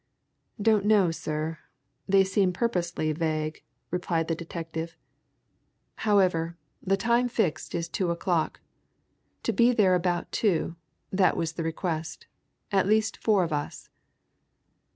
"Don't know, sir they seemed purposely vague," replied the detective. "However, the time fixed is two o'clock. To be there about two that was the request at least four of us."